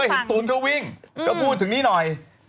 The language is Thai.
เห็นตูนก็วิ่งก็พูดถึงนี่หน่อย